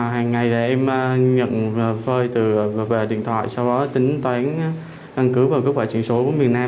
hàng ngày em nhận phơi từ điện thoại sau đó tính toán gắn cứu và cấp bỏ truyền số của miền nam